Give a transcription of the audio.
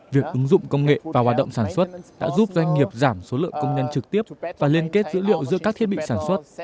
việc ứng dụng công nghệ và hoạt động sản xuất đã giúp doanh nghiệp giảm số lượng công nhân trực tiếp và liên kết dữ liệu giữa các thiết bị sản xuất